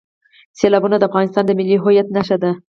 سیلابونه د افغانستان د ملي هویت نښه ده.